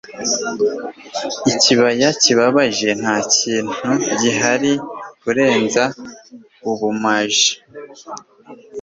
Ikibaya kibabajeNtakintu gihari Kurenza ubumaji